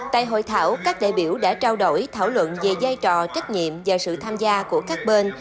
tại hội thảo các đại biểu đã trao đổi thảo luận về giai trò trách nhiệm và sự tham gia của các bên